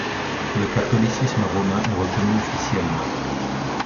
Le catholicisme romain est reconnu officiellement.